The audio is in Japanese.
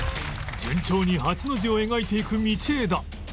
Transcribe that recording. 順調に８の字を描いていく道枝